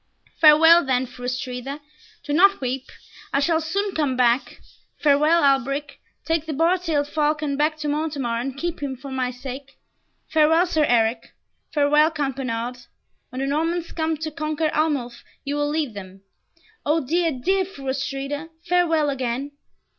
"Farewell then, Fru Astrida. Do not weep. I shall soon come back. Farewell, Alberic. Take the bar tailed falcon back to Montemar, and keep him for my sake. Farewell, Sir Eric Farewell, Count Bernard. When the Normans come to conquer Arnulf you will lead them. O dear, dear Fru Astrida, farewell again."